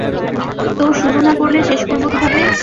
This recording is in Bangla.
তো শুরু না করলে শেষ করব কিভাবে?